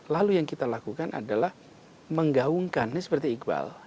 lalu yang kita lakukan adalah menggaungkan ini seperti iqbal